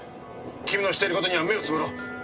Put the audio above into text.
君のしている事には目を瞑ろう。